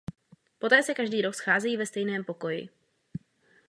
Poté se každý rok scházejí ve stejném pokoji.